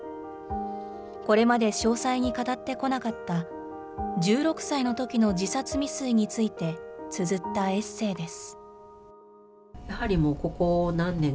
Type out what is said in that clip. これまで詳細に語ってこなかった、１６歳のときの自殺未遂について、つづったエッセーです。